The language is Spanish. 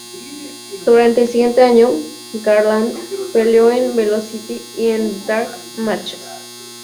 Durante el siguiente año, Garland peleó en Velocity y en dark matches.